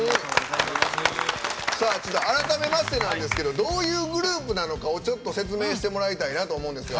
ちょっと改めましてなんですけどどういうグループなのかを説明してもらいたいなと思うんですが。